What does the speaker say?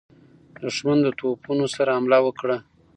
دښمن د توپونو سره حمله وکړه.